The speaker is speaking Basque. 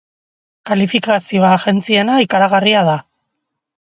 Kalifikazio agentziena ikaragarria da.